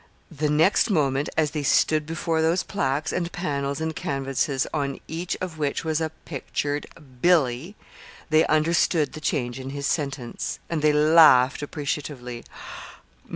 The next moment, as they stood before those plaques and panels and canvases on each of which was a pictured "Billy" they understood the change in his sentence, and they laughed appreciatively.